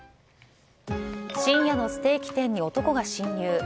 深夜のステーキ店に男が侵入。